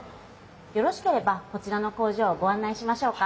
よろしければこちらの工場をごあん内しましょうか？